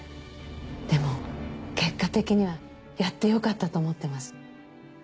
でも結果的にはやってよかったと思ってます。